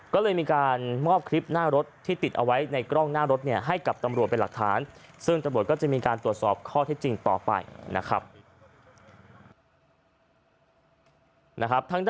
ก็เลยมีการมอบคลิปหน้ารถที่ติดเอาไว้ในกล้องหน้ารถเนี่ยให้กับตำรวจเป็นหลักฐานซึ่งตำรวจก็จะมีการตรวจสอบข้อเท็จจริงต่อไปนะครับ